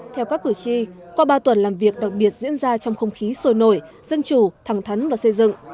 theo các cử tri qua ba tuần làm việc đặc biệt diễn ra trong không khí sôi nổi dân chủ thẳng thắn và xây dựng